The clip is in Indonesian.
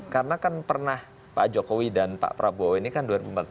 karena kan pernah pak jokowi dan pak prabowo ini kan dua ribu empat belas